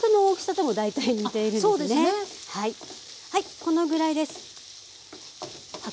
このぐらいです。